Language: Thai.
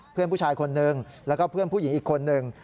เพื่อนผู้ชายคนนึงแล้วก็เพื่อนผู้หญิงอีกคนนึง